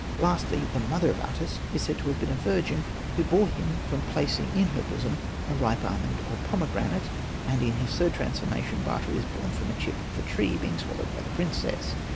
Lastly, the mother of Atys is said to have been a Hosted by Google 74 ANPU AND BATA virgin, who bore him from placing in her bosom a ripe almond or pomegranate ; and in his third transformation Bata is born from a chip of a tree being swallowed by the princess.